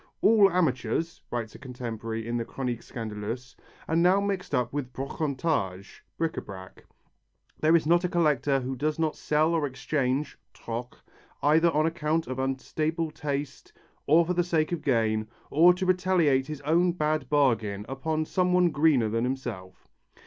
"All amateurs," writes a contemporary in the Chronique Scandaleuse, "are now mixed up with brocantage (bric à brac). There is not a collector who does not sell or exchange (troque), either on account of unstable taste, or for the sake of gain, or to retaliate his own bad bargain upon some one greener than himself."